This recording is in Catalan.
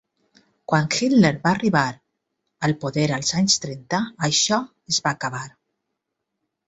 Quan Hitler va arribar al poder als anys trenta això es va acabar.